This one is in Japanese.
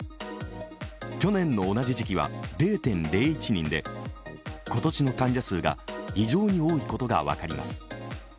去年の同じ時期は０．０１人で今年の患者数が以上に多いことが分かります。